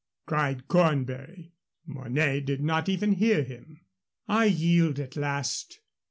cried Cornbury. Mornay did not even hear him. "I yield at last.